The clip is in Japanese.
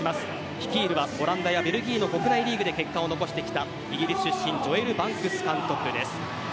率いるは、オランダやベルギーの国内リーグで結果を残してきたイギリス出身ジョエル・バンクス監督です。